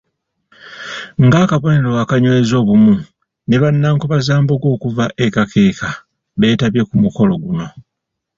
Ng’akabonero akanyweza obumu ne bannankobazambogo okuva e Kakeeka beetabye ku mukolo guno.